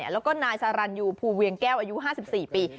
แล้วก็นายสารันยูภูเวียงแก้วอายุ๕๔ปี